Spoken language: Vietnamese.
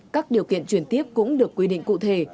các điều kiện chuyển tiếp cũng được quy định cụ thể